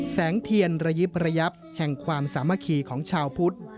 แสงเทียนระยิบระยับแห่งความสามัคคีของชาวพุทธ